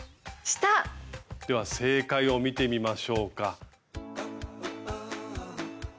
では正解を見てみましょうか。